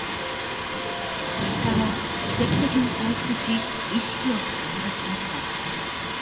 ３日後、奇跡的に回復し、意識を取り戻しました。